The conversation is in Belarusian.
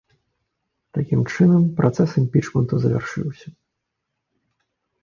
Такім чынам працэс імпічменту завяршыўся.